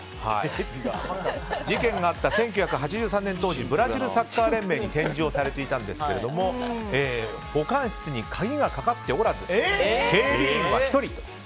事件があった１９８３年当時ブラジルサッカー連盟で展示されていたんですが保管室に鍵がかかっておらず警備員は１人。